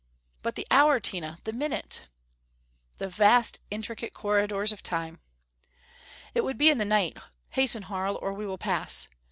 "But the hour, Tina? The minute?" The vast intricate corridors of Time! "It would be in the night. Hasten, Harl, or we will pass!